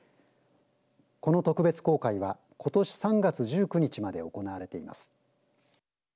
この特別公開はことし３月１９日まで行われています。